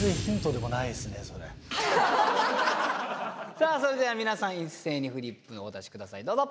さあそれでは皆さん一斉にフリップをお出し下さいどうぞ。